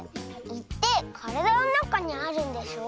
「い」ってからだのなかにあるんでしょ。